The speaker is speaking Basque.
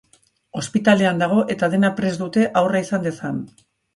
Ospitalean dago eta dena prest dute haurra izan dezan.